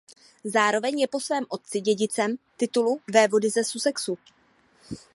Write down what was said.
Zároveň je po svém otci dědicem titulu vévody ze Sussexu.